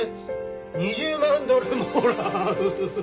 ２０万ドルもらう」